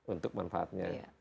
untuk manfaatnya negara